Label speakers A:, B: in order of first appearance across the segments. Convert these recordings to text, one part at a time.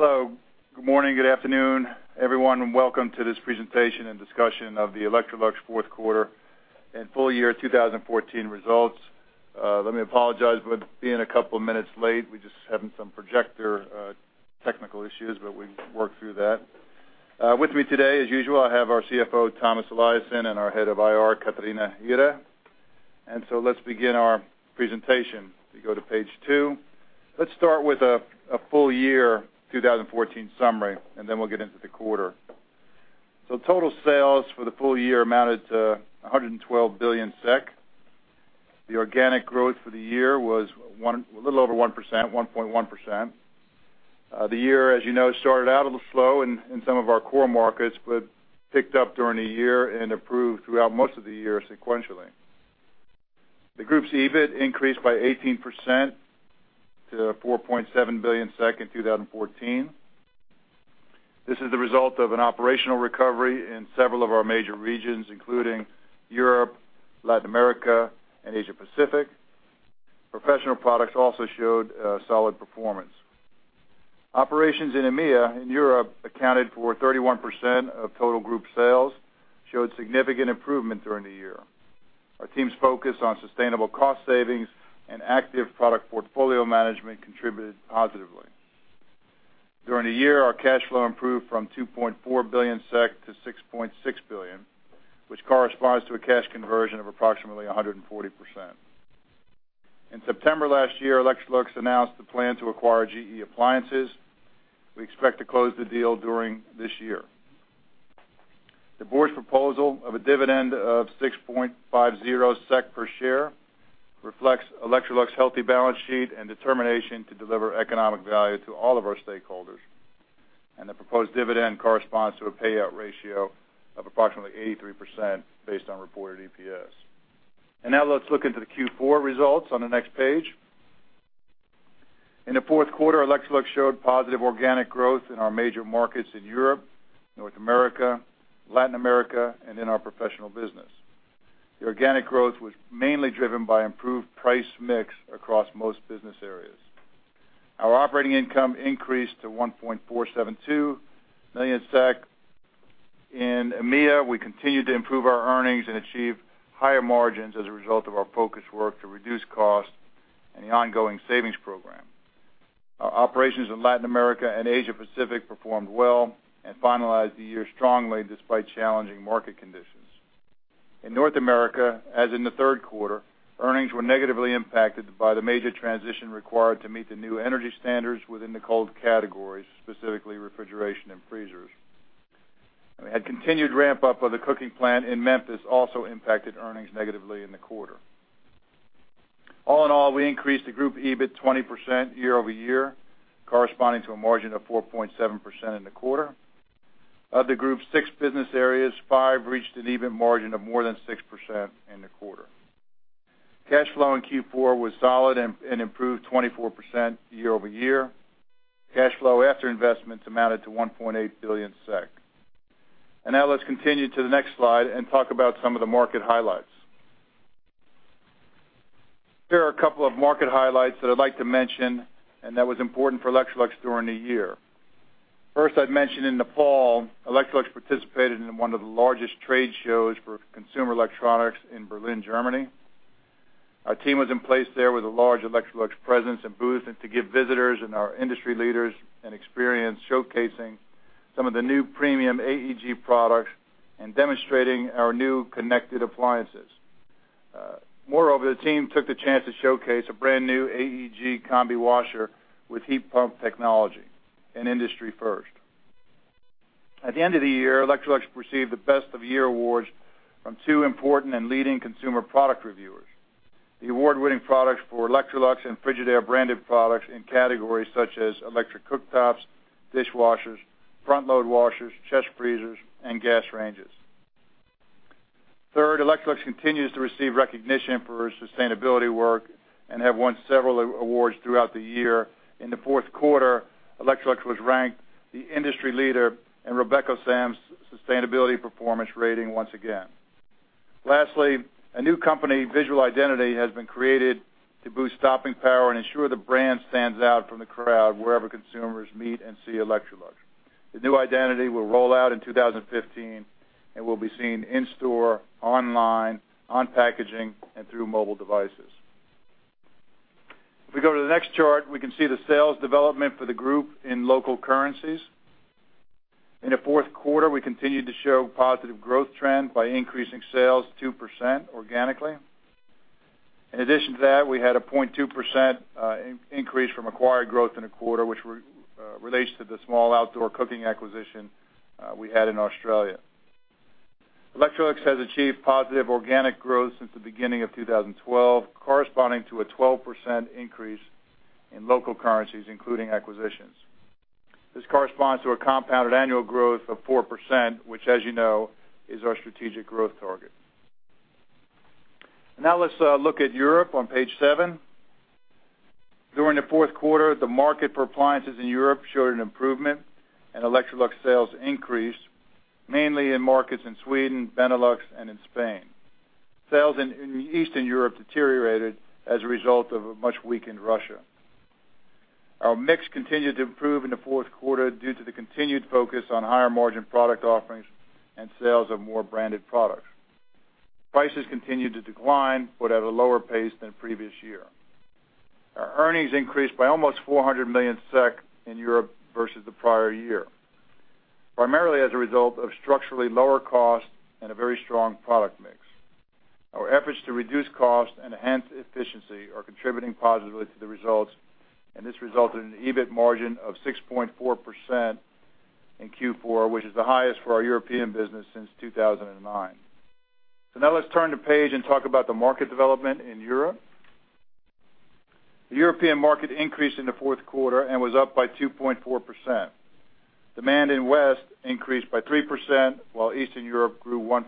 A: Hello, good morning, good afternoon, everyone, and welcome to this Presentation and Discussion of the Electrolux Fourth Quarter and Full Year 2014 Results. Let me apologize for being a couple of minutes late. We're just having some projector, technical issues, but we've worked through that. With me today, as usual, I have our CFO, Tomas Eliasson, and our Head of IR, Catarina Ihre. Let's begin our presentation. We go to page two. Let's start with a full year 2014 summary, and then we'll get into the quarter. Total sales for the full year amounted to 112 billion SEK. The organic growth for the year was a little over 1%, 1.1%. The year, as you know, started out a little slow in some of our core markets, but picked up during the year and improved throughout most of the year sequentially. The group's EBIT increased by 18% to SEK 4.7 billion in 2014. This is the result of an operational recovery in several of our major regions, including Europe, Latin America, and Asia Pacific. Professional products also showed a solid performance. Operations in EMEA, in Europe, accounted for 31% of total group sales, showed significant improvement during the year. Our team's focus on sustainable cost savings and active product portfolio management contributed positively. During the year, our cash flow improved from 2.4 billion SEK to 6.6 billion, which corresponds to a cash conversion of approximately 140%. In September last year, Electrolux announced the plan to acquire GE Appliances. We expect to close the deal during this year. The board's proposal of a dividend of 6.50 SEK per share reflects Electrolux's healthy balance sheet and determination to deliver economic value to all of our stakeholders. The proposed dividend corresponds to a payout ratio of approximately 83% based on reported EPS. Now let's look into the Q4 results on the next page. In the fourth quarter, Electrolux showed positive organic growth in our major markets in Europe, North America, Latin America, and in our professional business. The organic growth was mainly driven by improved price mix across most business areas. Our operating income increased to 1,472 million SEK. In EMEA, we continued to improve our earnings and achieve higher margins as a result of our focused work to reduce costs and the ongoing savings program. Our operations in Latin America and Asia Pacific performed well and finalized the year strongly despite challenging market conditions. In North America, as in the third quarter, earnings were negatively impacted by the major transition required to meet the new energy standards within the cold categories, specifically refrigeration and freezers. We had continued ramp-up of the cooking plant in Memphis, also impacted earnings negatively in the quarter. All in all, we increased the group EBIT 20% year-over-year, corresponding to a margin of 4.7% in the quarter. Of the group's six business areas, five reached an EBIT margin of more than 6% in the quarter. Cash flow in Q4 was solid and improved 24% year-over-year. Cash flow after investments amounted to 1.8 billion SEK. Now let's continue to the next slide and talk about some of the market highlights. Here are a couple of market highlights that I'd like to mention and that was important for Electrolux during the year. First, I'd mention in the fall, Electrolux participated in one of the largest trade shows for consumer electronics in Berlin, Germany. Our team was in place there with a large Electrolux presence and booth, and to give visitors and our industry leaders an experience showcasing some of the new premium AEG products and demonstrating our new connected appliances. Moreover, the team took the chance to showcase a brand new AEG combi washer with heat pump technology, an industry first. At the end of the year, Electrolux received the Best of Year Awards from two important and leading consumer product reviewers. The award-winning products for Electrolux and Frigidaire branded products in categories such as electric cooktops, dishwashers, front load washers, chest freezers, and gas ranges. Third, Electrolux continues to receive recognition for its sustainability work and have won several awards throughout the year. In the fourth quarter, Electrolux was ranked the industry leader in RobecoSAM's sustainability performance rating once again. Lastly, a new company, Visual Identity, has been created to boost stopping power and ensure the brand stands out from the crowd wherever consumers meet and see Electrolux. The new identity will roll out in 2015 and will be seen in-store, online, on packaging, and through mobile devices. If we go to the next chart, we can see the sales development for the group in local currencies. In the fourth quarter, we continued to show positive growth trend by increasing sales 2% organically. In addition to that, we had a 0.2% increase from acquired growth in the quarter, which relates to the small outdoor cooking acquisition we had in Australia. Electrolux has achieved positive organic growth since the beginning of 2012, corresponding to a 12% increase in local currencies, including acquisitions. This corresponds to a compounded annual growth of 4%, which, as you know, is our strategic growth target. Now let's look at Europe on page seven. During the fourth quarter, the market for appliances in Europe showed an improvement, and Electrolux sales increased, mainly in markets in Sweden, Benelux, and in Spain. Sales in Eastern Europe deteriorated as a result of a much weakened Russia. Our mix continued to improve in the fourth quarter due to the continued focus on higher-margin product offerings and sales of more branded products. Prices continued to decline, but at a lower pace than previous year. Our earnings increased by almost 400 million SEK in Europe versus the prior year, primarily as a result of structurally lower costs and a very strong product mix. Our efforts to reduce costs and enhance efficiency are contributing positively to the results, and this resulted in an EBIT margin of 6.4% in Q4, which is the highest for our European business since 2009. Now let's turn the page and talk about the market development in Europe. The European market increased in the fourth quarter and was up by 2.4%. Demand in West increased by 3%, while Eastern Europe grew 1%.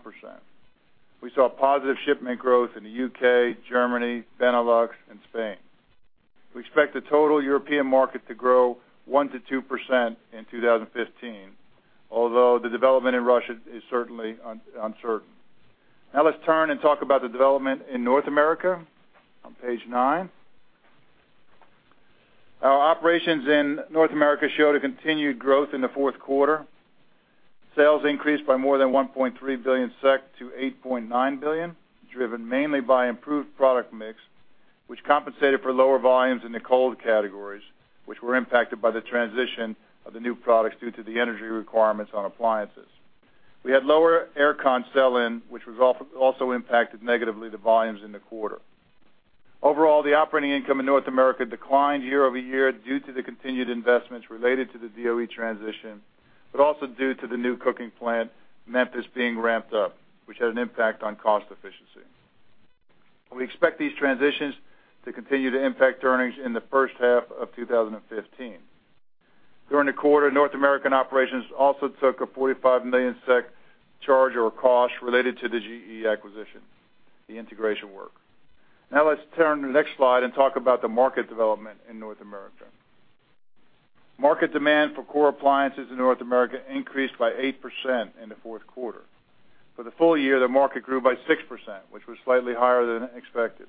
A: We saw positive shipment growth in the U.K., Germany, Benelux and Spain. We expect the total European market to grow 1%-2% in 2015, although the development in Russia is certainly uncertain. Let's turn and talk about the development in North America on page nine. Our operations in North America showed a continued growth in the fourth quarter. Sales increased by more than 1.3 billion SEK to 8.9 billion, driven mainly by improved product mix, which compensated for lower volumes in the cold categories, which were impacted by the transition of the new products due to the energy requirements on appliances. We had lower air con sell-in, which also impacted negatively the volumes in the quarter. Overall, the operating income in North America declined year over year due to the continued investments related to the DOE transition, but also due to the new cooking plant, Memphis, being ramped up, which had an impact on cost efficiency. We expect these transitions to continue to impact earnings in the first half of 2015. During the quarter, North American operations also took a 45 million SEK charge or cost related to the GE acquisition, the integration work. Let's turn to the next slide and talk about the market development in North America. Market demand for core appliances in North America increased by 8% in the fourth quarter. For the full year, the market grew by 6%, which was slightly higher than expected.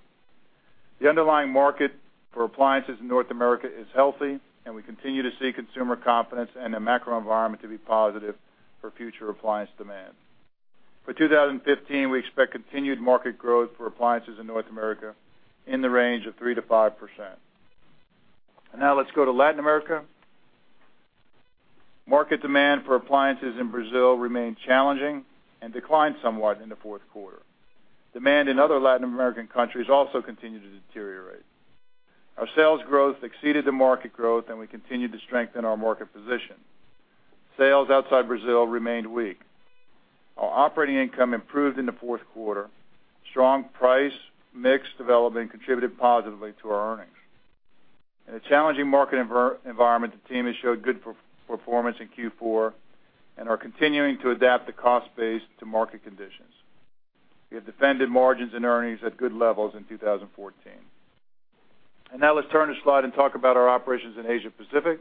A: The underlying market for appliances in North America is healthy, and we continue to see consumer confidence and the macro environment to be positive for future appliance demand. For 2015, we expect continued market growth for appliances in North America in the range of 3%-5%. Now let's go to Latin America. Market demand for appliances in Brazil remained challenging and declined somewhat in the fourth quarter. Demand in other Latin American countries also continued to deteriorate. Our sales growth exceeded the market growth, and we continued to strengthen our market position. Sales outside Brazil remained weak. Our operating income improved in the fourth quarter. Strong price mix development contributed positively to our earnings. In a challenging market environment, the team has showed good performance in Q4 and are continuing to adapt the cost base to market conditions. We have defended margins and earnings at good levels in 2014. Now let's turn the slide and talk about our operations in Asia Pacific.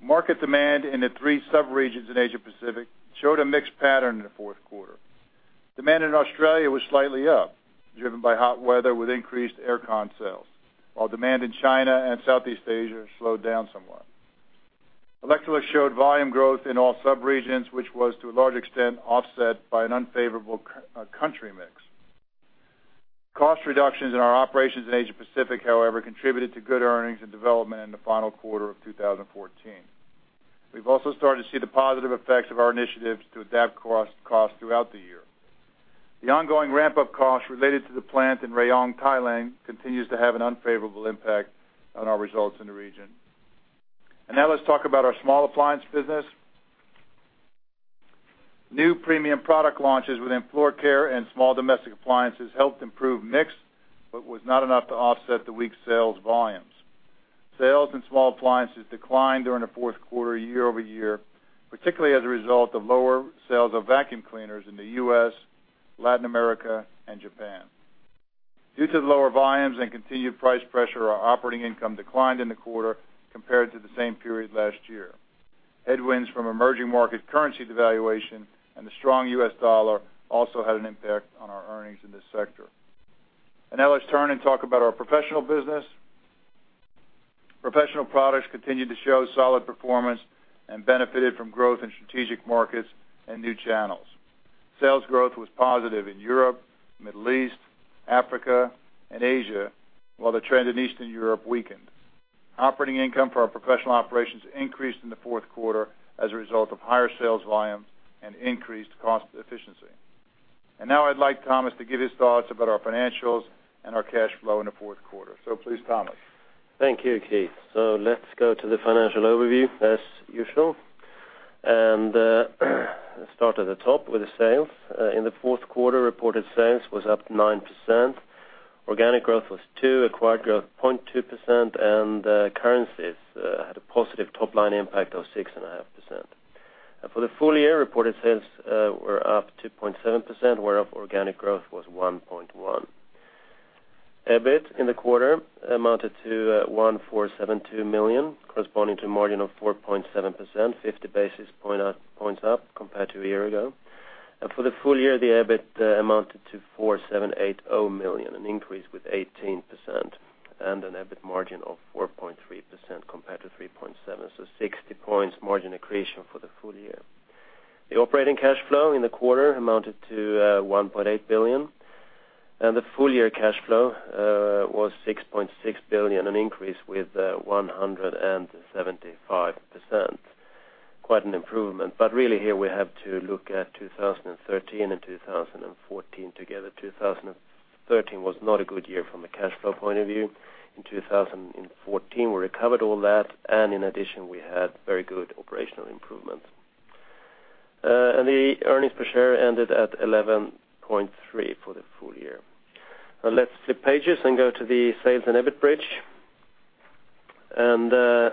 A: Market demand in the three sub-regions in Asia Pacific showed a mixed pattern in the fourth quarter. Demand in Australia was slightly up, driven by hot weather with increased air con sales, while demand in China and Southeast Asia slowed down somewhat. Electrolux showed volume growth in all sub-regions, which was to a large extent offset by an unfavorable country mix. Cost reductions in our operations in Asia Pacific, however, contributed to good earnings and development in the final quarter of 2014. We've also started to see the positive effects of our initiatives to adapt cost throughout the year. The ongoing ramp-up costs related to the plant in Rayong, Thailand, continues to have an unfavorable impact on our results in the region. Now let's talk about our small appliance business. New premium product launches within floor care and small domestic appliances helped improve mix, but was not enough to offset the weak sales volumes. Sales in small appliances declined during the fourth quarter, year-over-year, particularly as a result of lower sales of vacuum cleaners in the U.S., Latin America, and Japan. Due to the lower volumes and continued price pressure, our operating income declined in the quarter compared to the same period last year. Headwinds from emerging market currency devaluation and the strong U.S. dollar also had an impact on our earnings in this sector. Now let's turn and talk about our professional business. Professional products continued to show solid performance and benefited from growth in strategic markets and new channels. Sales growth was positive in Europe, Middle East, Africa, and Asia, while the trend in Eastern Europe weakened. Operating income for our professional operations increased in the fourth quarter as a result of higher sales volume and increased cost efficiency. Now I'd like Tomas to give his thoughts about our financials and our cash flow in the fourth quarter. Please, Tomas.
B: Thank you, Keith. Let's go to the financial overview, as usual, and start at the top with the sales. In the fourth quarter, reported sales was up 9%. Organic growth was two, acquired growth 0.2%, and currencies had a positive top-line impact of 6.5%. For the full year, reported sales were up 2.7%, whereof organic growth was 1.1 EBIT in the quarter amounted to 1,472 million, corresponding to a margin of 4.7%, 50 basis points up compared to a year ago. For the full year, the EBIT amounted to 4,780 million, an increase with 18% and an EBIT margin of 4.3% compared to 3.7%. Sixty points margin accretion for the full year. The operating cash flow in the quarter amounted to 1.8 billion, and the full year cash flow was 6.6 billion, an increase with 175%. Quite an improvement, really here we have to look at 2013 and 2014 together. 2013 was not a good year from a cash flow point of view. In 2014, we recovered all that, and in addition, we had very good operational improvements. The earnings per share ended at 11.3 for the full year. Now let's flip pages and go to the sales and EBIT bridge. The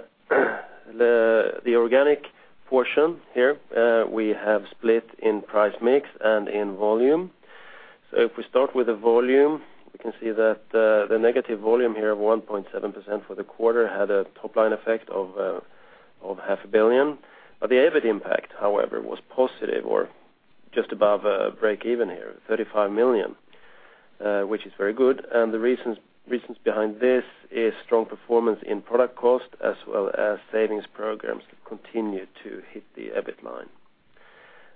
B: organic portion here, we have split in price mix and in volume. If we start with the volume, we can see that the negative volume here of 1.7% for the quarter had a top-line effect of SEK half a billion. The EBIT impact, however, was positive or just above break even here, 35 million, which is very good. The reasons behind this is strong performance in product cost as well as savings programs continue to hit the EBIT line.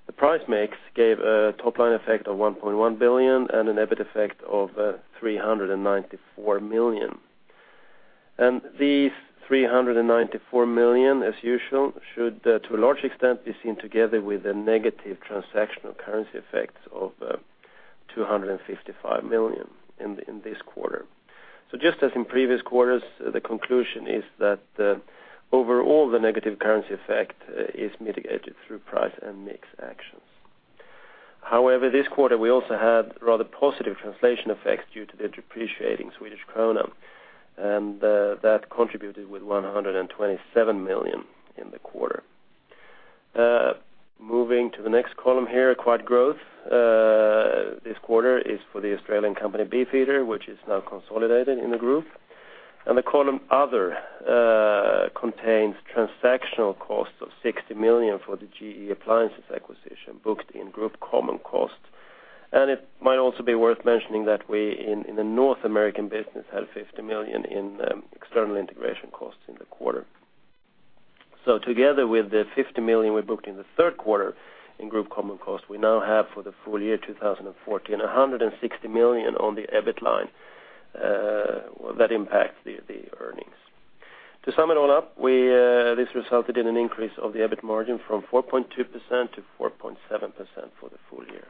B: The price mix gave a top-line effect of 1.1 billion and an EBIT effect of 394 million. These 394 million, as usual, should to a large extent, be seen together with a negative transactional currency effect of 255 million in this quarter. Just as in previous quarters, the conclusion is that overall, the negative currency effect is mitigated through price and mix actions. However, this quarter, we also had rather positive translation effects due to the depreciating Swedish krona, and that contributed with 127 million in the quarter. Moving to the next column here, acquired growth this quarter is for the Australian company, BeefEater, which is now consolidated in the group. The column Other contains transactional costs of 60 million for the GE Appliances acquisition, booked in group common costs. It might also be worth mentioning that we in the North American business had 50 million in external integration costs in the quarter. Together with the 50 million we booked in the third quarter in group common costs, we now have for the full year 2014, 160 million on the EBIT line that impact the earnings. To sum it all up, we this resulted in an increase of the EBIT margin from 4.2% to 4.7% for the full year.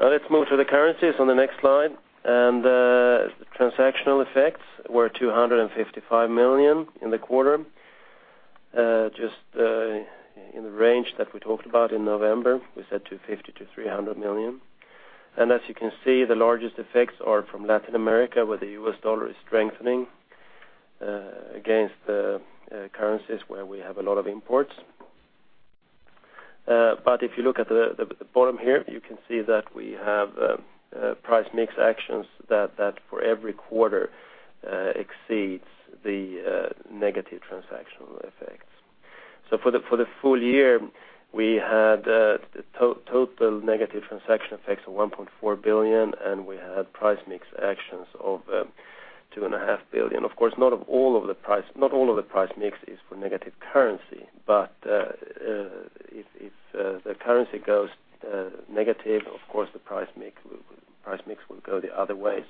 B: Now let's move to the currencies on the next slide. The transactional effects were 255 million SEK in the quarter, just in the range that we talked about in November, we said 250 million-300 million SEK. As you can see, the largest effects are from Latin America, where the US dollar is strengthening, against the currencies, where we have a lot of imports. If you look at the bottom here, you can see that we have price mix actions that for every quarter exceeds the negative transactional effects. For the full year, we had total negative transaction effects of 1.4 billion SEK, and we had price mix actions of 2.5 billion SEK. Of course, not of all of the price, not all of the price mix is for negative currency, but if the currency goes negative, of course, the price mix will go the other way.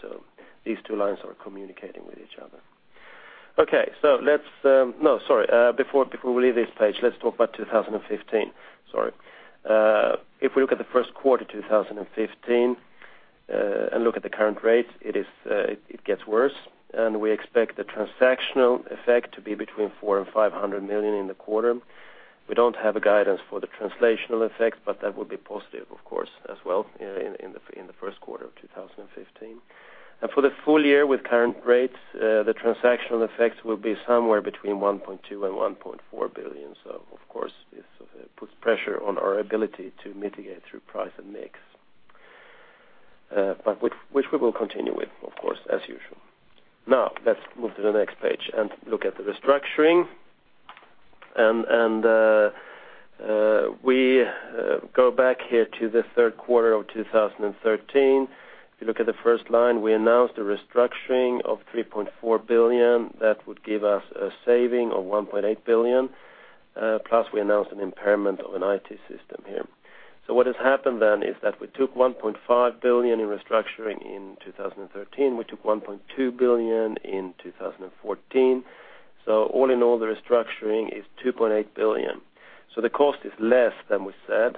B: These two lines are communicating with each other. Okay, let's, no, sorry, before we leave this page, let's talk about 2015. Sorry. If we look at the first quarter, 2015, and look at the current rates, it gets worse, and we expect the transactional effect to be between 400 million-500 million in the quarter. We don't have a guidance for the translational effect, but that will be positive, of course, as well, in the first quarter of 2015. For the full year, with current rates, the transactional effects will be somewhere between 1.2 billion and 1.4 billion. Of course, this puts pressure on our ability to mitigate through price and mix, but which we will continue with, of course, as usual. Let's move to the next page and look at the restructuring. We go back here to the third quarter of 2013. If you look at the first line, we announced a restructuring of 3.4 billion. That would give us a saving of 1.8 billion, plus we announced an impairment of an IT system here. What has happened then is that we took 1.5 billion in restructuring in 2013. We took 1.2 billion in 2014. All in all, the restructuring is 2.8 billion. The cost is less than we said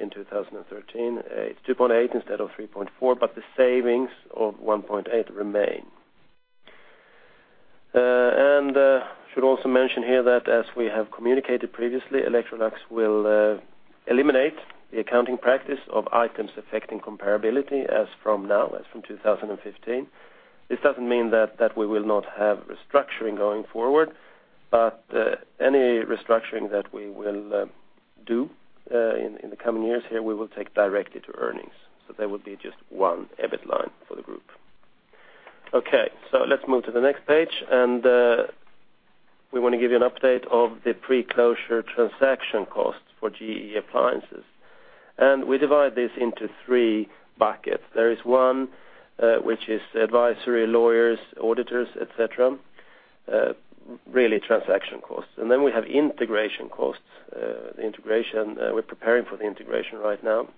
B: in 2013. It's 2.8 instead of 3.4, but the savings of 1.8 remain. And should also mention here that as we have communicated previously, Electrolux will eliminate the accounting practice of items affecting comparability as from now, as from 2015. This doesn't mean that we will not have restructuring going forward, but any restructuring that we will do in the coming years here, we will take directly to earnings. There will be just one EBIT line for the group. Let's move to the next page, and we want to give you an update of the pre-closure transaction costs for GE Appliances. We divide this into three buckets. There is one, which is advisory, lawyers, auditors, et cetera, really transaction costs. We have integration costs, the integration, we're preparing for the integration right now.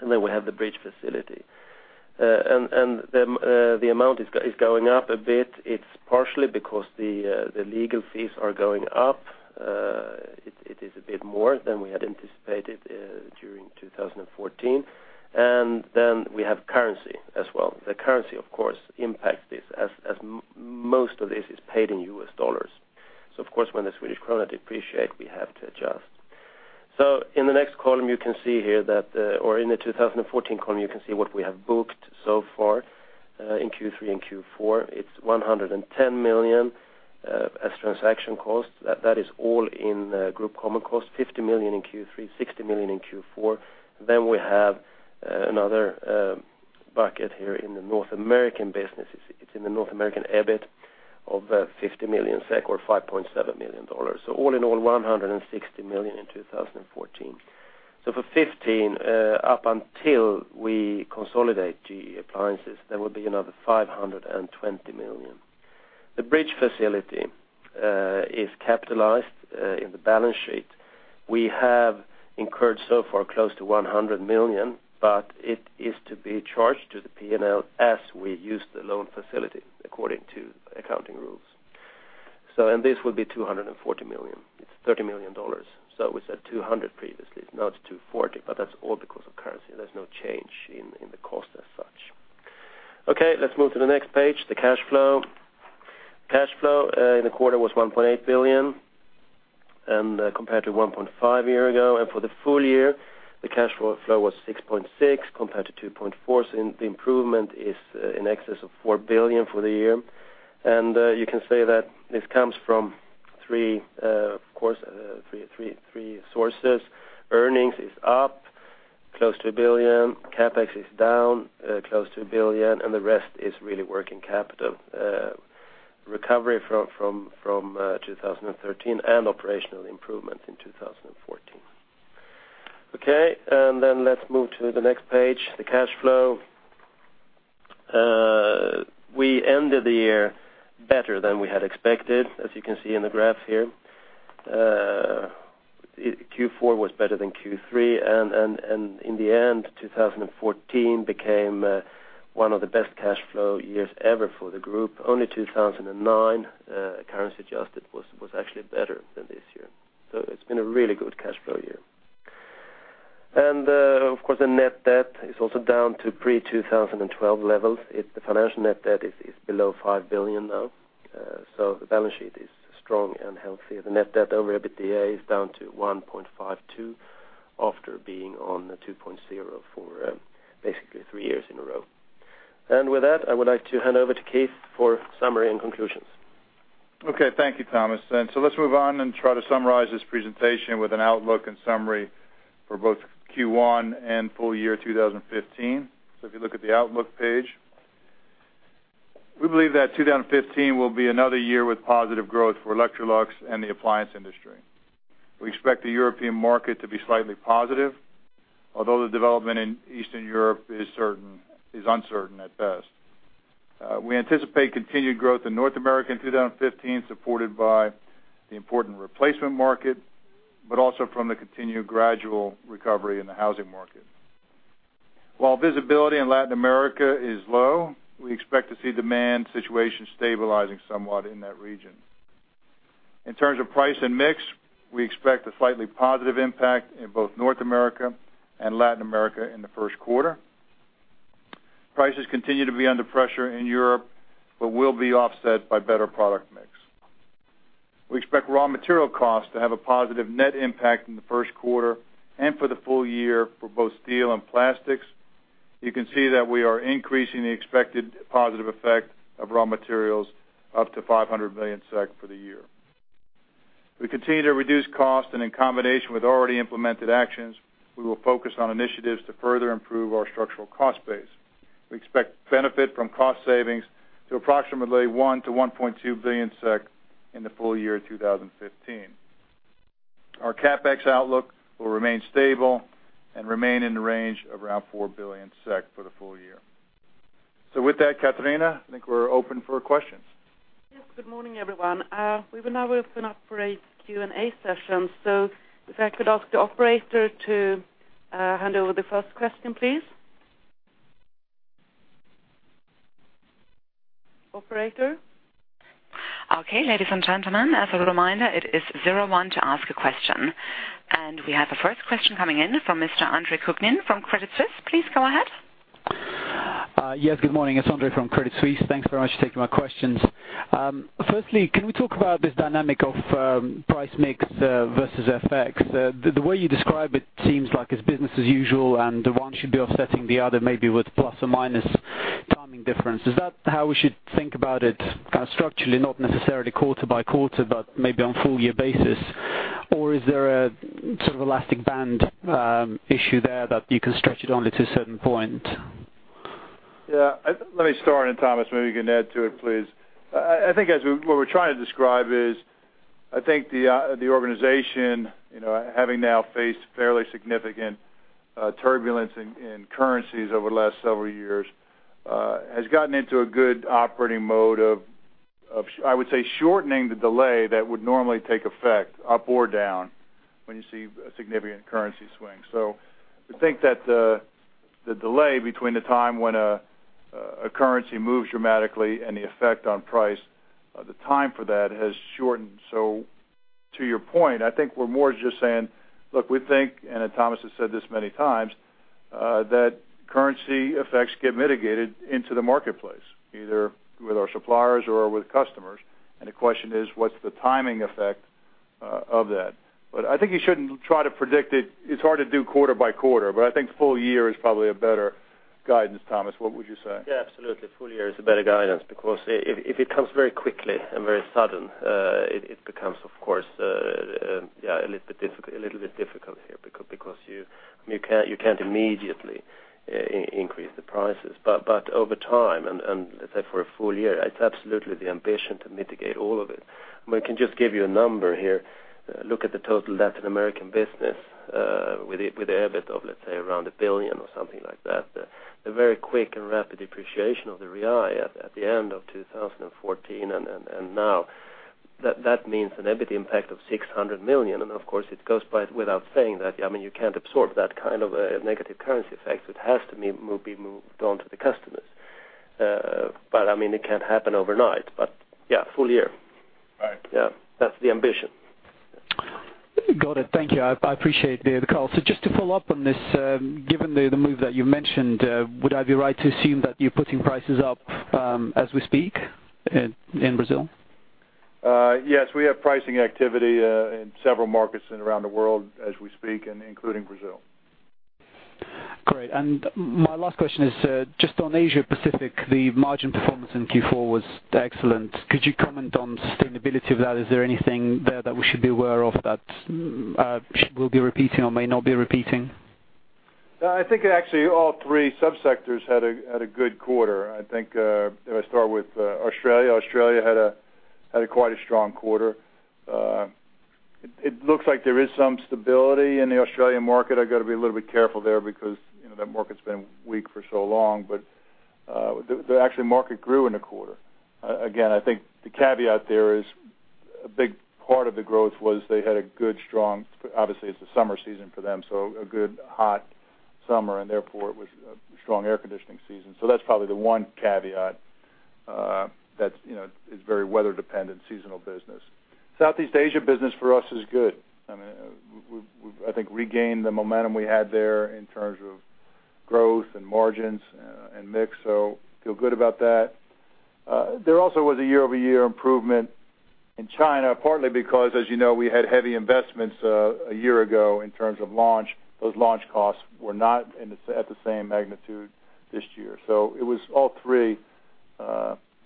B: We have the bridge facility. The amount is going up a bit. It's partially because the legal fees are going up. It is a bit more than we had anticipated during 2014. We have currency as well. The currency, of course, impacts this as most of this is paid in US dollars. Of course, when the Swedish krona depreciate, we have to adjust. In the next column, you can see here that, or in the 2014 column, you can see what we have booked so far, in Q3 and Q4. It's 110 million as transaction costs. That is all in group common costs, 50 million in Q3, 60 million in Q4. We have another bucket here in the North American business. It's in the North American EBIT of 50 million SEK or $5.7 million. All in all, 160 million in 2014. For 2015, up until we consolidate GE Appliances, there will be another 520 million. The bridge facility is capitalized in the balance sheet. We have incurred so far close to 100 million, it is to be charged to the P&L as we use the loan facility, according to accounting rules. This will be 240 million. It's $30 million. We said 200 million previously, now it's 240 million, that's all because of currency. There's no change in the cost as such. Okay, let's move to the next page, the cash flow. Cash flow in the quarter was 1.8 billion, compared to 1.5 billion year-ago. For the full year, the cash flow was 6.6 billion, compared to 2.4 billion, the improvement is in excess of 4 billion for the year. You can say that this comes from three, of course, three sources. Earnings is up, close to 1 billion, CapEx is down, close to 1 billion, the rest is really working capital recovery from 2013 and operational improvement in 2014. Let's move to the next page, the cash flow. We ended the year better than we had expected, as you can see in the graph here. Q4 was better than Q3, and in the end, 2014 became one of the best cash flow years ever for the group. Only 2009, currency adjusted, was actually better than this year. It's been a really good cash flow year. Of course, the net debt is also down to pre-2012 levels. The financial net debt is below 5 billion now, so the balance sheet is strong and healthy. The net debt over EBITDA is down to 1.52 after being on the 2.0 for basically 3 years in a row. With that, I would like to hand over to Keith for summary and conclusions.
A: Okay, thank you, Tomas. Let's move on and try to summarize this presentation with an outlook and summary for both Q1 and full year 2015. If you look at the Outlook page, we believe that 2015 will be another year with positive growth for Electrolux and the appliance industry. We expect the European market to be slightly positive, although the development in Eastern Europe is uncertain at best. We anticipate continued growth in North America in 2015, supported by the important replacement market, but also from the continued gradual recovery in the housing market. While visibility in Latin America is low, we expect to see demand situation stabilizing somewhat in that region. In terms of price and mix, we expect a slightly positive impact in both North America and Latin America in the first quarter. Prices continue to be under pressure in Europe. Will be offset by better product mix. We expect raw material costs to have a positive net impact in the first quarter and for the full year for both steel and plastics. You can see that we are increasing the expected positive effect of raw materials up to 500 million SEK for the year. We continue to reduce costs, and in combination with already implemented actions, we will focus on initiatives to further improve our structural cost base. We expect benefit from cost savings to approximately 1 billion-1.2 billion SEK in the full year 2015. Our CapEx outlook will remain stable and remain in the range of around 4 billion SEK for the full year. With that, Catarina, I think we're open for questions.
C: Yes, good morning, everyone. We will now open up for a Q&A session. If I could ask the operator to hand over the first question, please. Operator?
D: Okay, ladies and gentlemen, as a reminder, it is zero one to ask a question. We have a first question coming in from Mr. Andre Kukhnin from Credit Suisse. Please go ahead.
E: Yes, good morning. It's Andre from Credit Suisse. Thanks very much for taking my questions. Firstly, can we talk about this dynamic of price mix versus FX? The way you describe it seems like it's business as usual, and one should be offsetting the other, maybe with plus or minus timing difference. Is that how we should think about it kind of structurally, not necessarily quarter by quarter, but maybe on full year basis? Or is there a sort of elastic band issue there that you can stretch it only to a certain point?
A: Yeah, let me start, and Tomas, maybe you can add to it, please. I think what we're trying to describe is, I think the organization, you know, having now faced fairly significant turbulence in currencies over the last several years, has gotten into a good operating mode of, I would say, shortening the delay that would normally take effect, up or down, when you see a significant currency swing. I think that the delay between the time when a currency moves dramatically and the effect on price, the time for that has shortened. To your point, I think we're more just saying, look, we think, and Tomas has said this many times, that currency effects get mitigated into the marketplace, either with our suppliers or with customers. The question is, what's the timing effect of that? I think you shouldn't try to predict it. It's hard to do quarter by quarter, but I think full year is probably a better guidance. Tomas, what would you say?
B: Absolutely. Full year is a better guidance because if it comes very quickly and very sudden, it becomes, of course, a little bit difficult here, because you can't immediately increase the prices. Over time, and let's say for a full year, it's absolutely the ambition to mitigate all of it. I can just give you a number here. Look at the total Latin American business, with the EBIT of, let's say, around 1 billion or something like that. The very quick and rapid depreciation of the real at the end of 2014 and now, that means an EBIT impact of 600 million. Of course, it goes by without saying that, I mean, you can't absorb that kind of a negative currency effect. It has to be moved on to the customers. I mean, it can't happen overnight. Yeah, full year.
A: Right.
B: Yeah, that's the ambition.
E: Got it. Thank you. I appreciate the call. Just to follow up on this, given the move that you mentioned, would I be right to assume that you're putting prices up, as we speak in Brazil?
A: Yes, we have pricing activity in several markets and around the world as we speak, including Brazil.
E: Great. My last question is, just on Asia Pacific, the margin performance in Q4 was excellent. Could you comment on sustainability of that? Is there anything there that we should be aware of that, will be repeating or may not be repeating?
A: I think actually all three subsectors had a good quarter. I think, if I start with Australia had a quite a strong quarter. It looks like there is some stability in the Australian market. I've got to be a little bit careful there because, you know, that market's been weak for so long, but, actually, market grew in the quarter. Again, I think the caveat there is a big part of the growth was they had a good, strong. Obviously, it's a summer season for them, so a good hot summer, and therefore, it was a strong air conditioning season. That's probably the one caveat, that's, you know, is very weather-dependent seasonal business. Southeast Asia business for us is good. I mean, we've, I think, regained the momentum we had there in terms of growth and margins and mix. Feel good about that. There also was a year-over-year improvement in China, partly because, as you know, we had heavy investments a year ago in terms of launch. Those launch costs were not at the same magnitude this year. It was all three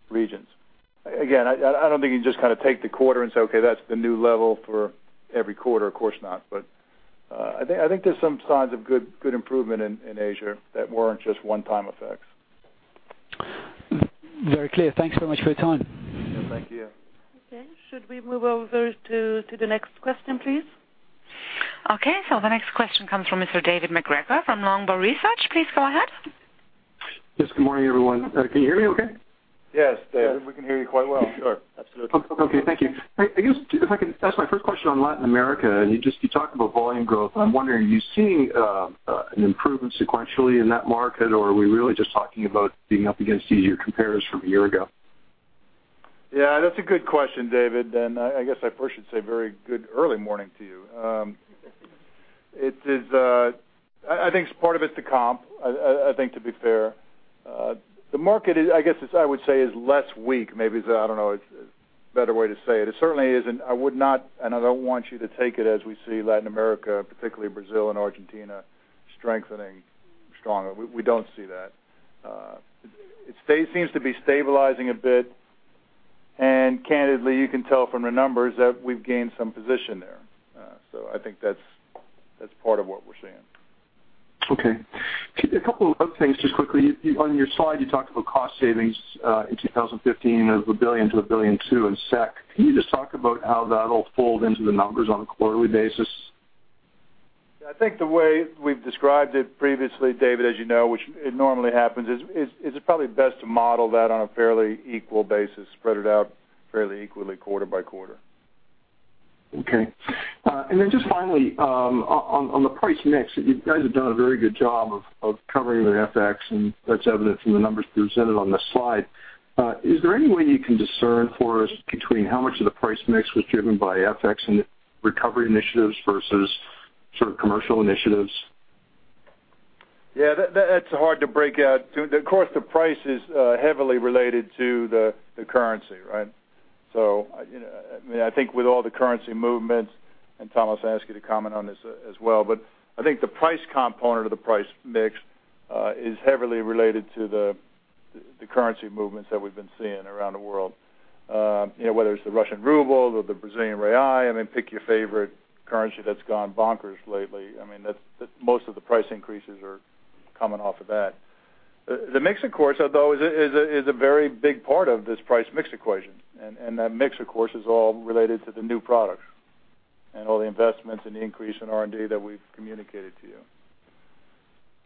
A: regions. Again, I don't think you just kind of take the quarter and say, okay, that's the new level for every quarter. Of course not. I think there's some signs of good improvement in Asia that weren't just one-time effects.
E: Very clear. Thanks so much for your time.
A: Thank you.
C: Okay, should we move over to the next question, please?
D: Okay, the next question comes from Mr. David MacGregor from Longbow Research. Please go ahead.
F: Yes, good morning, everyone. Can you hear me okay?
A: Yes, David, we can hear you quite well.
B: Sure, absolutely.
F: Okay, thank you. I guess if I could ask my first question on Latin America, and you just, you talked about volume growth. I'm wondering, are you seeing an improvement sequentially in that market, or are we really just talking about being up against easier compares from a year ago?
A: Yeah, that's a good question, David, and I guess I first should say very good early morning to you. It is, I think part of it's the comp, I think to be fair. The market is, I guess, I would say, is less weak, maybe, I don't know, a better way to say it. It certainly isn't, I would not, and I don't want you to take it as we see Latin America, particularly Brazil and Argentina, strengthening stronger. We don't see that. It seems to be stabilizing a bit, and candidly, you can tell from the numbers that we've gained some position there. I think that's part of what we're seeing.
F: Okay. A couple of other things just quickly. On your slide, you talked about cost savings, in 2015 of 1 billion to 1.2 billion in SEK. Can you just talk about how that'll fold into the numbers on a quarterly basis?
A: I think the way we've described it previously, David, as you know, which it normally happens, is it's probably best to model that on a fairly equal basis, spread it out fairly equally quarter by quarter.
F: Okay. Just finally, on the price mix, you guys have done a very good job of covering the FX. That's evident from the numbers presented on this slide. Is there any way you can discern for us between how much of the price mix was driven by FX and recovery initiatives versus sort of commercial initiatives?
A: Yeah, that's hard to break out. Of course, the price is heavily related to the currency, right? I, you know, I mean, I think with all the currency movements, and Tomas, I ask you to comment on this as well, but I think the price component of the price mix is heavily related to the currency movements that we've been seeing around the world. You know, whether it's the Russian ruble or the Brazilian real, I mean, pick your favorite currency that's gone bonkers lately. I mean, most of the price increases are coming off of that. The mix, of course, although is a very big part of this price mix equation, and that mix, of course, is all related to the new products and all the investments and the increase in R&D that we've communicated to you.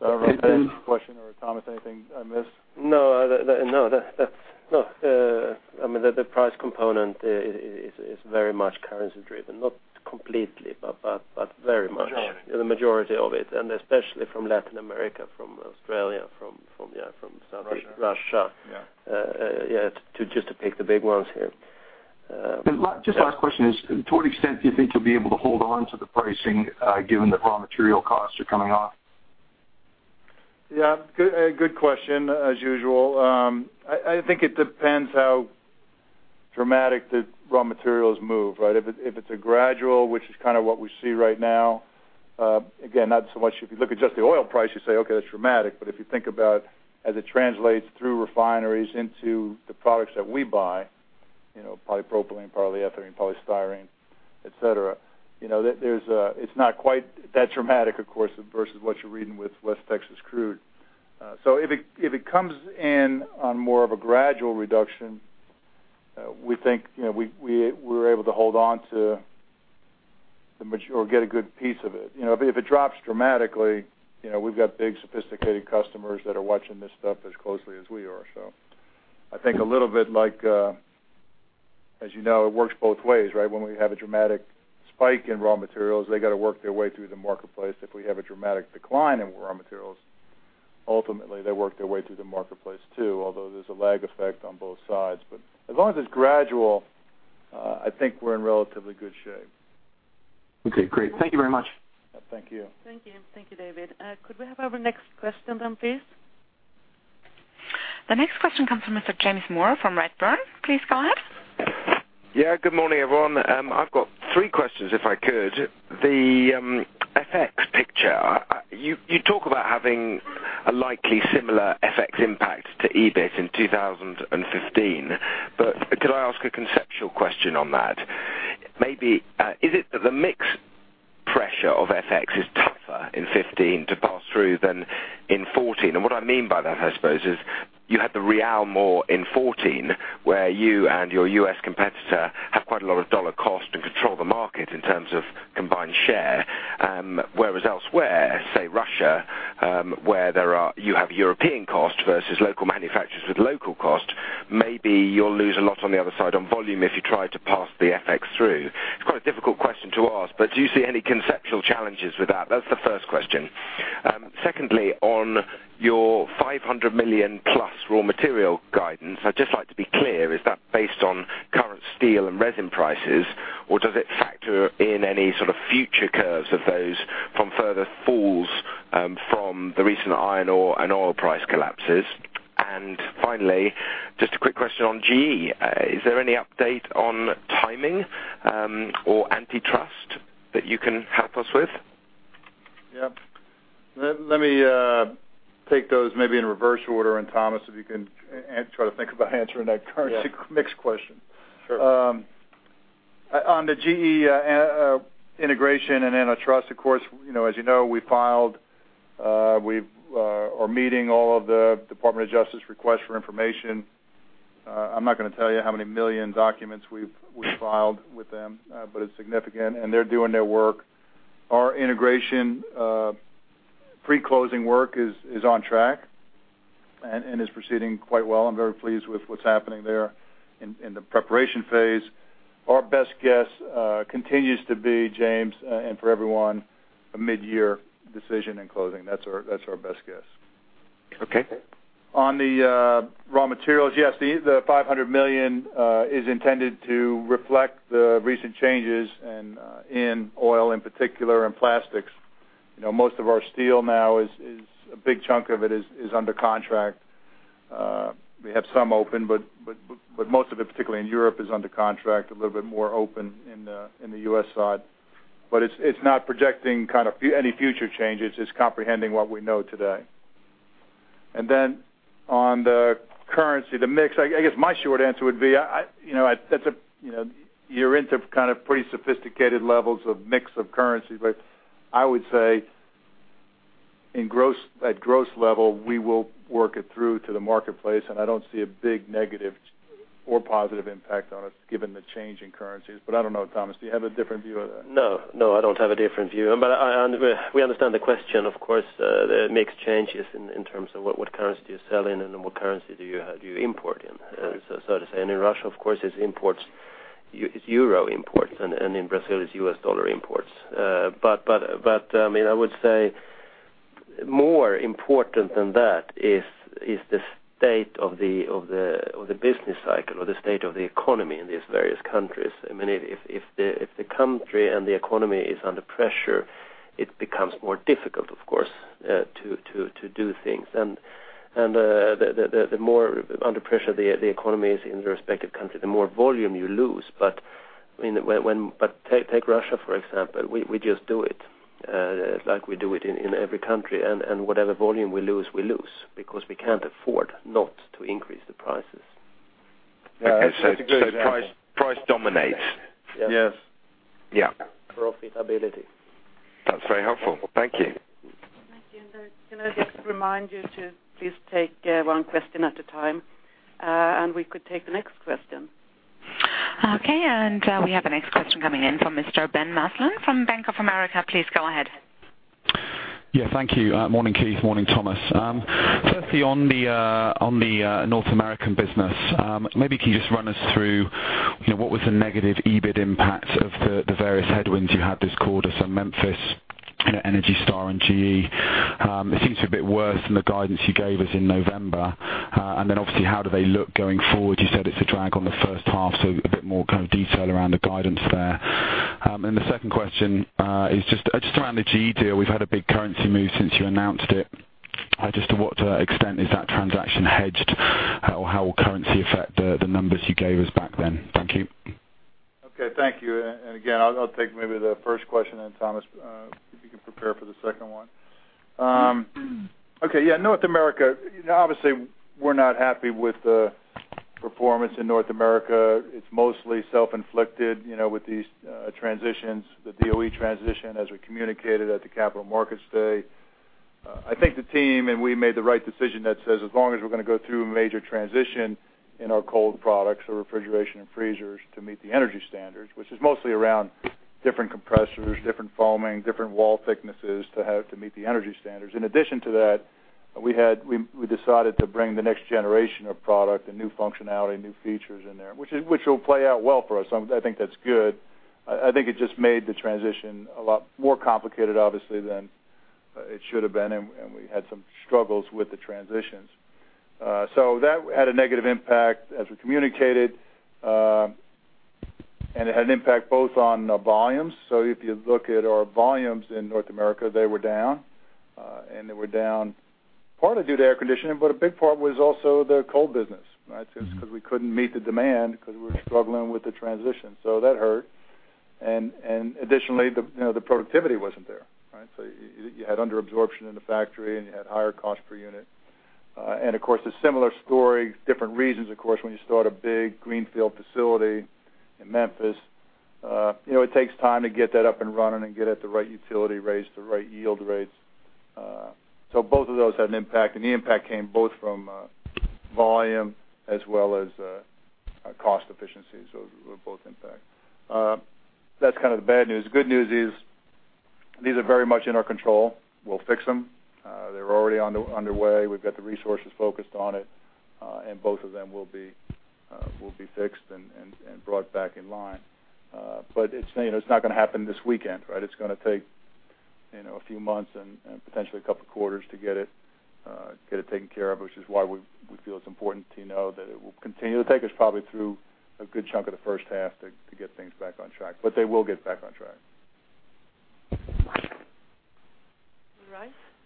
A: Does that answer your question, or Tomas, anything I missed?
B: No, that, no. I mean, the price component is very much currency-driven, not completely, but very much.
A: Majority.
B: The majority of it, and especially from Latin America, from Australia, from, yeah, from Southeast Russia.
A: Yeah.
B: Yeah, to just to pick the big ones here, yeah.
F: Last, just last question is, to what extent do you think you'll be able to hold on to the pricing, given that raw material costs are coming off?
A: Good, good question, as usual. I think it depends how dramatic the raw materials move, right? If it's a gradual, which is kind of what we see right now, again, not so much. If you look at just the oil price, you say, "Okay, that's dramatic." If you think about as it translates through refineries into the products that we buy, you know, polypropylene, polyethylene, polystyrene, et cetera, you know, that it's not quite that dramatic, of course, versus what you're reading with West Texas Intermediate. If it comes in on more of a gradual reduction, we think, you know, we're able to hold on to the or get a good piece of it. You know, if it, if it drops dramatically, you know, we've got big, sophisticated customers that are watching this stuff as closely as we are. I think a little bit like, as you know, it works both ways, right? When we have a dramatic spike in raw materials, they got to work their way through the marketplace. If we have a dramatic decline in raw materials, ultimately, they work their way through the marketplace, too, although there's a lag effect on both sides. As long as it's gradual, I think we're in relatively good shape.
F: Okay, great. Thank you very much.
A: Thank you.
C: Thank you. Thank you, David. Could we have our next question then, please?
D: The next question comes from Mr. James Moore from Redburn. Please go ahead.
G: Good morning, everyone. I've got 3 questions, if I could. The FX picture, you talk about having a likely similar FX impact to EBIT in 2015, could I ask a conceptual question on that? Maybe, is it that the mix pressure of FX is tougher in 2015 to pass through than in 2014? What I mean by that, I suppose, is you had the Brazilian real more in 2014, where you and your U.S. competitor have quite a lot of US dollar cost to control the market in terms of combined share. Whereas elsewhere, say Russia, where you have euro cost versus local manufacturers with local cost, maybe you'll lose a lot on the other side on volume if you try to pass the FX through. It's quite a difficult question to ask, but do you see any conceptual challenges with that? That's the first question. Secondly, on your 500 million plus raw material guidance, I'd just like to be clear, is that based on current steel and resin prices, or does it factor in any sort of future curves of those from further falls from the recent iron ore and oil price collapses? Finally, just a quick question on GE. Is there any update on timing, or antitrust that you can help us with?
A: Yeah. Let me take those maybe in reverse order, and Tomas, if you can try to think about answering that currency.
B: Yeah.
A: Mix question.
B: Sure.
A: On the GE integration and antitrust, of course, you know, as you know, we filed, we are meeting all of the Department of Justice requests for information. I'm not gonna tell you how many million documents we filed with them, but it's significant, and they're doing their work. Our integration pre-closing work is on track and is proceeding quite well. I'm very pleased with what's happening there in the preparation phase. Our best guess continues to be, James, and for everyone, a mid-year decision and closing. That's our best guess.
G: Okay.
A: On the raw materials, yes, the 500 million is intended to reflect the recent changes in oil, in particular, in plastics. You know, most of our steel now is a big chunk of it, is under contract. We have some open, but most of it, particularly in Europe, is under contract, a little bit more open in the U.S. side. It's not projecting any future changes. It's comprehending what we know today. On the currency, the mix, I guess my short answer would be, I, you know, that's a, you know, you're into kind of pretty sophisticated levels of mix of currency, but I would say in gross, at gross level, we will work it through to the marketplace, and I don't see a big negative or positive impact on it, given the change in currencies. I don't know, Tomas, do you have a different view of that?
B: No, no, I don't have a different view. I, and we understand the question, of course, the mix changes in terms of what currency you sell in and then what currency do you import in?
G: Right.
B: So to say, in Russia, of course, it's imports, it's EUR imports, and in Brazil, it's USD imports. I mean, I would say more important than that is the state of the business cycle or the state of the economy in these various countries. I mean, if the country and the economy is under pressure, it becomes more difficult, of course, to do things. The more under pressure the economy is in the respective country, the more volume you lose. I mean, when take Russia, for example, we just do it like we do it in every country, and whatever volume we lose, we lose, because we can't afford not to increase the prices.
G: Price, price dominates?
B: Yes.
G: Yes.
B: Yeah. Profitability.
G: That's very helpful. Thank you.
C: Thank you. Can I just remind you to please take, one question at a time, and we could take the next question.
D: Okay. We have the next question coming in from Mr. Ben Maslen from Bank of America. Please go ahead.
H: Thank you. Morning, Keith, morning, Tomas. Firstly, on the North American business, maybe can you just run us through, you know, what was the negative EBIT impact of the various headwinds you had this quarter, so Memphis, ENERGY STAR, and GE? It seems to be a bit worse than the guidance you gave us in November. Obviously, how do they look going forward? You said it's a drag on the first half, so a bit more kind of detail around the guidance there. The second question is just around the GE deal. We've had a big currency move since you announced it. Just to what extent is that transaction hedged, or how will currency affect the numbers you gave us back then? Thank you.
A: Okay, thank you. Again, I'll take maybe the first question, and Tomas, if you can prepare for the second one. Okay, yeah, North America, obviously, we're not happy with the performance in North America. It's mostly self-inflicted, you know, with these transitions, the DOE transition, as we communicated at the Capital Markets Day. I think the team, and we made the right decision that says, as long as we're going to go through a major transition in our cold products or refrigeration and freezers to meet the energy standards, which is mostly around different compressors, different foaming, different wall thicknesses to have to meet the energy standards. In addition to that, we decided to bring the next generation of product and new functionality, new features in there, which will play out well for us. I think that's good. I think it just made the transition a lot more complicated, obviously, than it should have been, and we had some struggles with the transitions. That had a negative impact, as we communicated, and it had an impact both on volumes. If you look at our volumes in North America, they were down, and they were down partly due to air conditioning, but a big part was also the cold business, right? Because we couldn't meet the demand because we were struggling with the transition. That hurt. Additionally, the, you know, productivity wasn't there, right? You had under absorption in the factory, and you had higher cost per unit. Of course, a similar story, different reasons, of course, when you start a big greenfield facility in Memphis, you know, it takes time to get that up and running and get at the right utility rates, the right yield rates. Both of those had an impact, and the impact came both from volume as well as cost efficiency. Both impact. That's kind of the bad news. The good news is, these are very much in our control. We'll fix them. They're already underway. We've got the resources focused on it, and both of them will be fixed and brought back in line. It's, you know, it's not going to happen this weekend, right? It's going to take, you know, a few months and potentially a couple of quarters to get it, get it taken care of, which is why we feel it's important to know that it will continue to take us probably through a good chunk of the first half to get things back on track, but they will get back on track.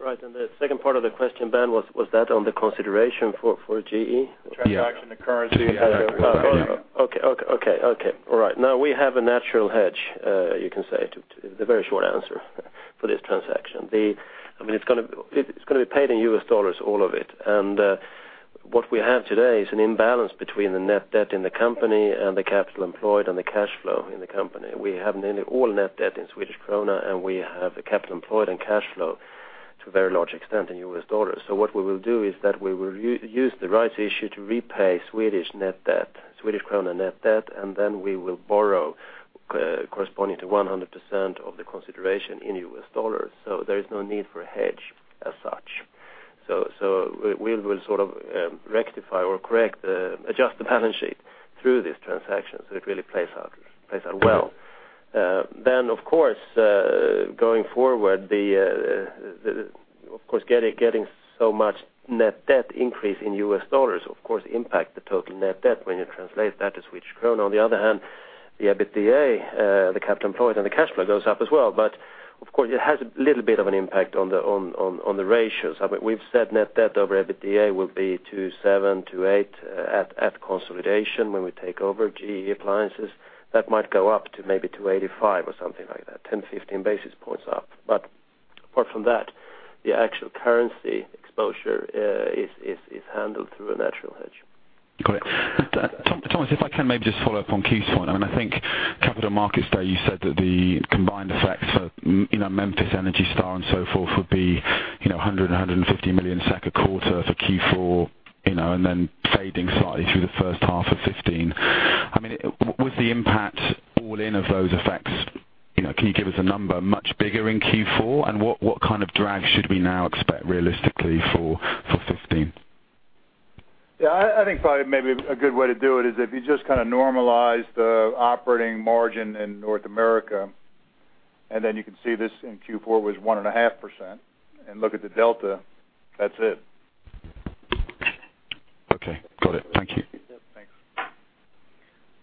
C: All right.
B: Right, the second part of the question, Ben, was that on the consideration for GE?
H: Transaction, the currency.
B: Okay, all right. Now, we have a natural hedge, you can say, to the very short answer for this transaction. I mean, it's gonna be paid in US dollars, all of it. What we have today is an imbalance between the net debt in the company and the capital employed and the cash flow in the company. We have nearly all net debt in Swedish krona, and we have the capital employed and cash flow, to a very large extent, in US dollars. What we will do is that we will use the rights issue to repay Swedish net debt, Swedish krona net debt, and then we will borrow, corresponding to 100% of the consideration in US dollars. There is no need for a hedge as such. We will rectify or correct, adjust the balance sheet through this transaction, it really plays out well. Of course, going forward, of course, getting so much net debt increase in US dollars, of course, impact the total net debt when you translate that to Swedish krona. On the other hand, the EBITDA, the capital employed, and the cash flow goes up as well. Of course, it has a little bit of an impact on the ratios. I mean, we've said net debt over EBITDA will be 2.7-2.8 at consolidation when we take over GE Appliances. That might go up to maybe 2.85 or something like that, 10-15 basis points up. Apart from that, the actual currency exposure, is handled through a natural hedge.
H: Got it. Tomas, if I can maybe just follow up on Keith's point. I mean, I think Capital Markets Day, you said that the combined effects of, you know, Memphis, ENERGY STAR, and so forth, would be, you know, 100 million, 150 million SEK second quarter for Q4, you know, and then fading slightly through the first half of 2015. I mean, with the impact all in of those effects, you know, can you give us a number much bigger in Q4? What kind of drag should we now expect realistically for 2015?
A: Yeah, I think probably maybe a good way to do it is if you just kind of normalize the operating margin in North America, and then you can see this in Q4 was 1.5%, and look at the delta. That's it.
H: Okay, got it. Thank you.
A: Thanks.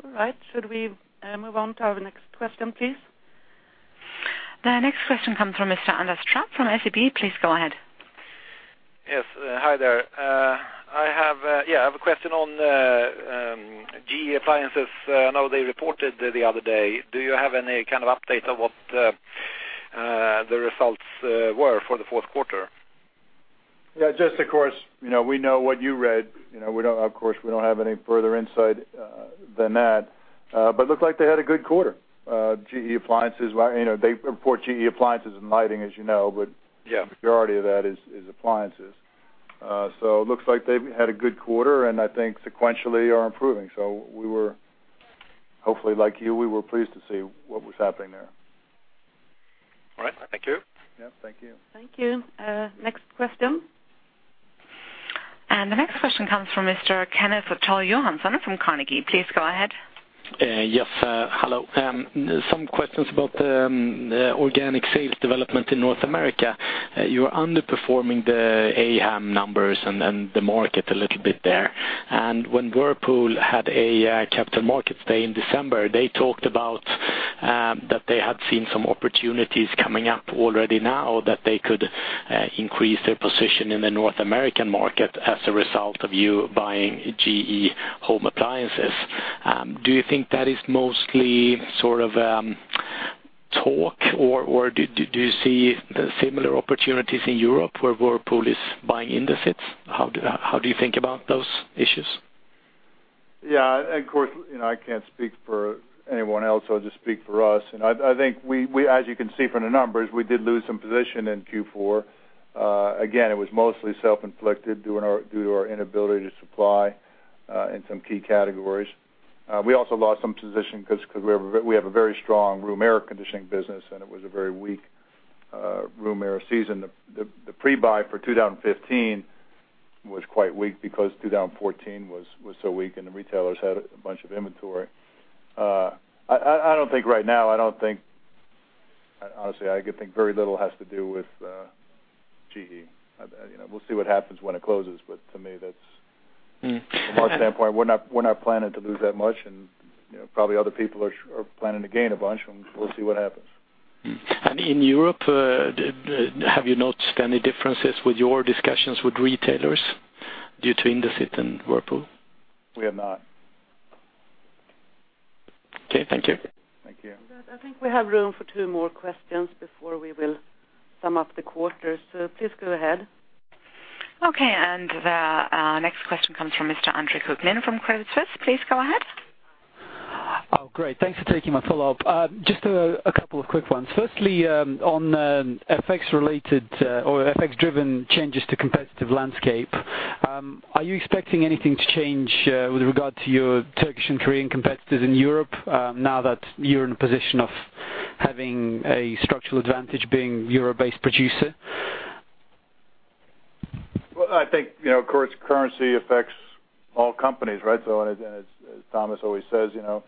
C: All right. Should we move on to our next question, please?
D: The next question comes from Mr. Anders Trapp from SEB. Please go ahead.
I: Yes, hi there. I have a question on GE Appliances. I know they reported the other day. Do you have any kind of update on what the results were for the fourth quarter?
A: Yeah, just of course, you know, we know what you read. You know, we don't of course, we don't have any further insight than that. Looked like they had a good quarter. GE Appliances, well, you know, they report GE Appliances & Lighting, as you know.
I: Yeah.
A: The majority of that is appliances. It looks like they've had a good quarter, and I think sequentially are improving. We were hopefully, like you, we were pleased to see what was happening there.
I: All right. Thank you.
A: Yeah, thank you.
C: Thank you. Next question.
D: The next question comes from Mr. Kenneth Toll Johansson from Carnegie. Please go ahead.
J: Yes, hello. Some questions about the organic sales development in North America. You are underperforming the AM numbers and the market a little bit there. When Whirlpool had a Capital Markets Day in December, they talked about that they had seen some opportunities coming up already now that they could increase their position in the North American market as a result of you buying GE Appliances. Do you think that is mostly sort of talk, or do you see similar opportunities in Europe where Whirlpool is buying Indesit? How do you think about those issues?
A: Of course, you know, I can't speak for anyone else. I'll just speak for us. I think we, as you can see from the numbers, we did lose some position in Q4. Again, it was mostly self-inflicted, due to our inability to supply in some key categories. We also lost some position 'cause we have a very strong room air conditioning business, and it was a very weak room air season. The pre-buy for 2015 was quite weak because 2014 was so weak and the retailers had a bunch of inventory. I don't think right now. Honestly, I think very little has to do with GE. You know, we'll see what happens when it closes, but to me.
J: Mm.
A: From our standpoint, we're not, we're not planning to lose that much, and, you know, probably other people are planning to gain a bunch, and we'll see what happens.
J: In Europe, have you noticed any differences with your discussions with retailers due to Indesit and Whirlpool?
A: We have not.
J: Okay, thank you.
A: Thank you.
C: I think we have room for two more questions before we will sum up the quarter. Please go ahead.
D: Okay, the next question comes from Mr. Andre Kukhnin from Credit Suisse. Please go ahead.
E: Oh, great. Thanks for taking my follow-up. Just a couple of quick ones. Firstly, on FX-related or FX-driven changes to competitive landscape, are you expecting anything to change with regard to your Turkish and Korean competitors in Europe, now that you're in a position of having a structural advantage being a Europe-based producer?
A: Well, I think, you know, of course, currency affects all companies, right? And as Tomas always says, you know,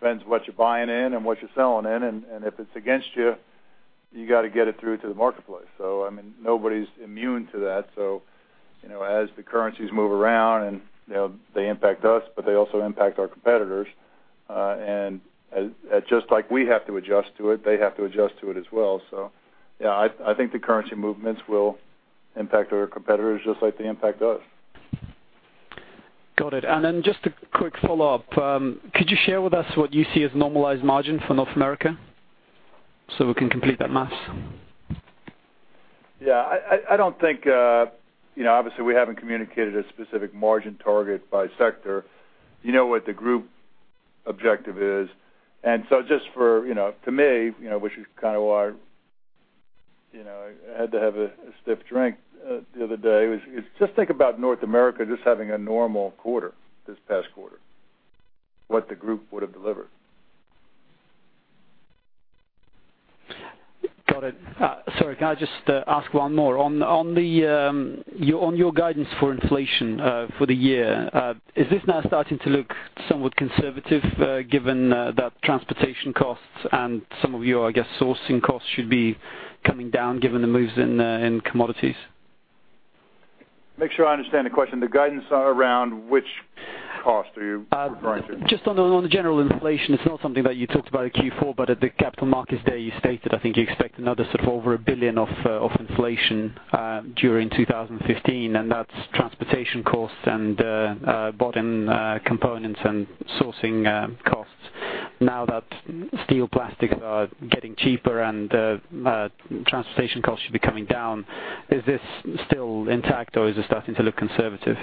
A: depends what you're buying in and what you're selling in, and if it's against you got to get it through to the marketplace. I mean, nobody's immune to that. You know, as the currencies move around and, you know, they impact us, but they also impact our competitors. And as just like we have to adjust to it, they have to adjust to it as well. Yeah, I think the currency movements will impact our competitors just like they impact us.
E: Got it. Just a quick follow-up. Could you share with us what you see as normalized margin for North America, so we can complete that maths?
A: I don't think, you know, obviously, we haven't communicated a specific margin target by sector. You know what the group objective is, and so just for, you know, to me, you know, which is kind of why, you know, I had to have a stiff drink, the other day, was just think about North America just having a normal quarter this past quarter, what the group would have delivered.
E: Got it. Sorry, can I just ask one more? On the, on your guidance for inflation for the year, is this now starting to look somewhat conservative, given that transportation costs and some of your, I guess, sourcing costs should be coming down, given the moves in commodities?
A: Make sure I understand the question. The guidance around which cost are you referring to?
E: Just on the general inflation, it's not something that you talked about in Q4, but at the Capital Markets Day, you stated, I think you expect another sort of over 1 billion of inflation during 2015, and that's transportation costs and bottom components and sourcing costs. Now that steel plastics are getting cheaper and transportation costs should be coming down, is this still intact, or is it starting to look conservative?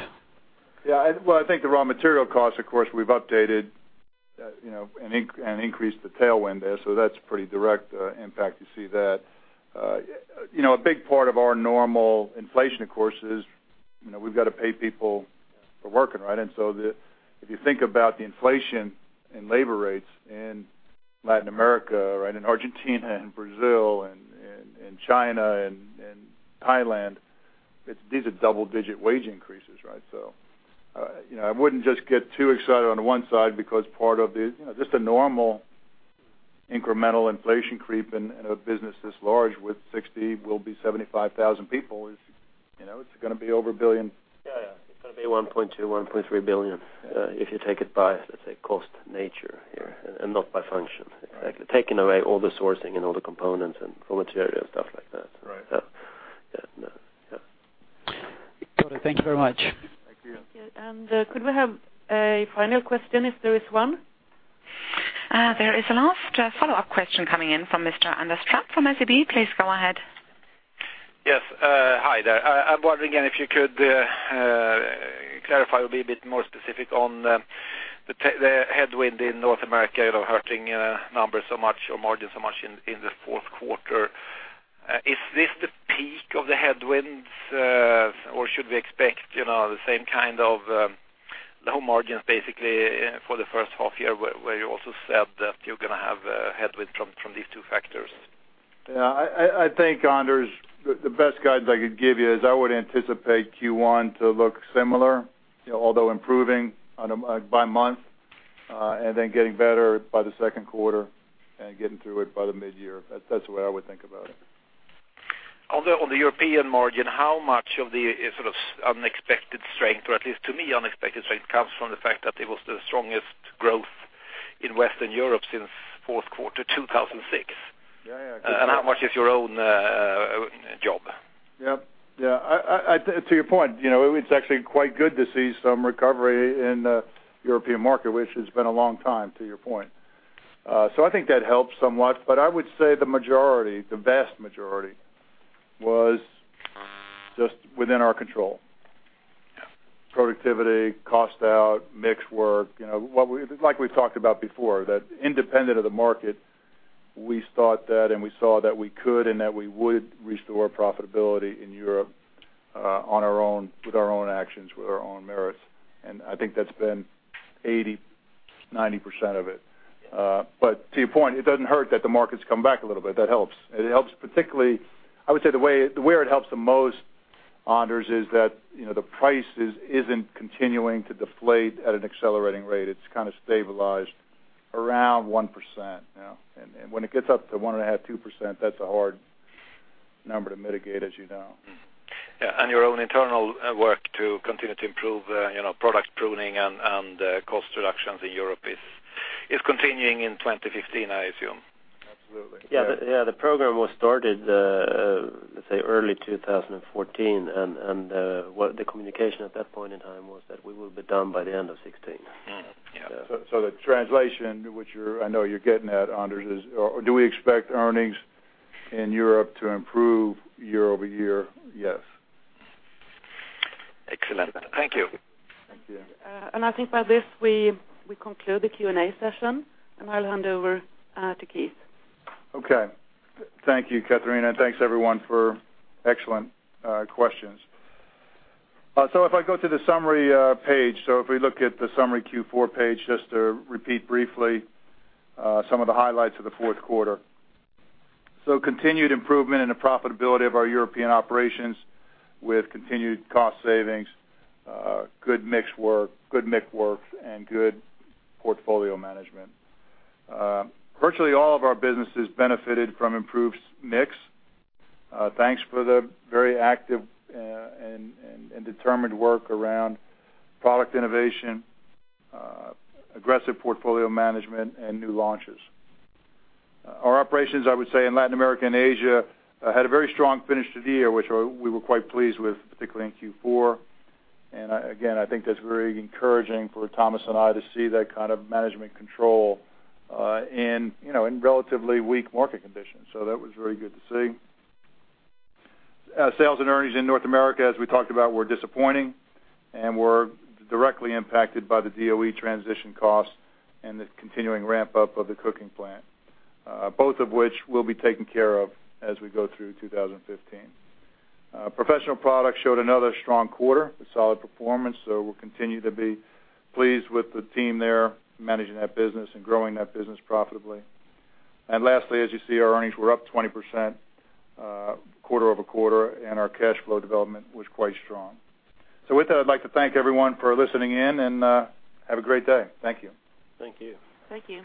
A: Yeah, well, I think the raw material costs, of course, we've updated, you know, and increased the tailwind there, so that's pretty direct impact to see that. You know, a big part of our normal inflation, of course, is, you know, we've got to pay people for working, right? If you think about the inflation and labor rates in Latin America, right, in Argentina and Brazil and China and Thailand, these are double-digit wage increases, right? You know, I wouldn't just get too excited on the one side because part of the, you know, just a normal incremental inflation creep in a business this large with 60, will be 75,000 people, is, you know, it's gonna be over $1 billion.
B: It's gonna be 1.2 billion-1.3 billion, if you take it by, let's say, cost nature here, and not by function. Exactly. Taking away all the sourcing and all the components and raw material and stuff like that.
E: Right.
B: Yeah. Yeah.
E: Got it. Thank you very much.
B: Thank you.
C: Could we have a final question if there is one?
D: There is a last, follow-up question coming in from Mr. Anders Trapp from SEB. Please go ahead.
I: Yes, hi there. I'm wondering if you could clarify or be a bit more specific on the headwind in North America, you know, hurting numbers so much or margin so much in the fourth quarter. Is this the peak of the headwinds, or should we expect, you know, the same kind of low margins, basically, for the first half year, where you also said that you're gonna have a headwind from these two factors?
A: I think, Anders, the best guide I could give you is I would anticipate Q1 to look similar, you know, although improving by month, and then getting better by the second quarter and getting through it by the midyear. That's the way I would think about it.
I: Although, on the European margin, how much of the, sort of, unexpected strength, or at least to me, unexpected strength, comes from the fact that it was the strongest growth in Western Europe since fourth quarter, 2006?
A: Yeah, yeah.
I: How much is your own job?
A: Yep. Yeah, I, to your point, you know, it's actually quite good to see some recovery in the European market, which has been a long time, to your point. I think that helps somewhat, but I would say the majority, the vast majority, was just within our control. Productivity, cost out, mix work, you know, like we talked about before, that independent of the market, we thought that and we saw that we could, and that we would restore profitability in Europe, on our own, with our own actions, with our own merits, and I think that's been 80%, 90% of it. To your point, it doesn't hurt that the market's come back a little bit. That helps. It helps particularly, I would say, the way, the where it helps the most, Anders, is that, you know, the price isn't continuing to deflate at an accelerating rate. It's kind of stabilized around 1% now, and when it gets up to 1.5%-2%, that's a hard number to mitigate, as you know.
I: Mm-hmm. Yeah, your own internal work to continue to improve, you know, product pruning and, cost reductions in Europe is continuing in 2015, I assume?
A: Absolutely.
B: Yeah. Yeah, the program was started, let's say, early 2014, and what the communication at that point in time was that we will be done by the end of 2016.
I: Mm-hmm.
A: Yeah. So the translation, which I know you're getting at, Anders, is, do we expect earnings in Europe to improve year-over-year? Yes.
I: Excellent. Thank you.
A: Thank you.
C: I think by this, we conclude the Q&A session, and I'll hand over to Keith.
A: Okay. Thank you, Catarina, and thanks, everyone, for excellent questions. If I go to the summary page, so if we look at the summary Q4 page, just to repeat briefly some of the highlights of the fourth quarter. Continued improvement in the profitability of our European operations with continued cost savings, good mix work, and good portfolio management. Virtually all of our businesses benefited from improved mix. Thanks for the very active and determined work around product innovation, aggressive portfolio management, and new launches. Our operations, I would say, in Latin America and Asia had a very strong finish to the year, which we were quite pleased with, particularly in Q4. Again, I think that's very encouraging for Tomas and I to see that kind of management control, in, you know, in relatively weak market conditions. That was very good to see. Sales and earnings in North America, as we talked about, were disappointing and were directly impacted by the DOE transition costs and the continuing ramp-up of the cooking plant, both of which will be taken care of as we go through 2015. Professional products showed another strong quarter, a solid performance, so we're continue to be pleased with the team there, managing that business and growing that business profitably. Lastly, as you see, our earnings were up 20%, quarter-over-quarter, and our cash flow development was quite strong. With that, I'd like to thank everyone for listening in, and, have a great day. Thank you.
B: Thank you.
C: Thank you.